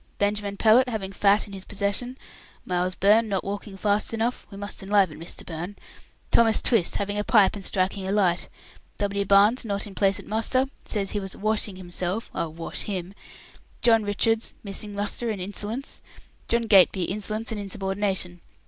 Benjamin Pellett, having fat in his possession. Miles Byrne, not walking fast enough. We must enliven Mr. Byrne. Thomas Twist, having a pipe and striking a light. W. Barnes, not in place at muster; says he was 'washing himself' I'll wash him! John Richards, missing muster and insolence. John Gateby, insolence and insubordination.